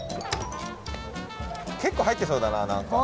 結構入ってそうだな何か。